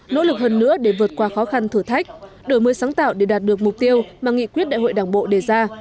nỗ lực hơn nữa để vượt qua khó khăn thử thách đổi mới sáng tạo để đạt được mục tiêu mà nghị quyết đại hội đảng bộ đề ra